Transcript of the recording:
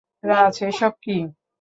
রাজ, এসব কি?